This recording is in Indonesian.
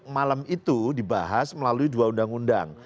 malam itu dibahas melalui dua undang undang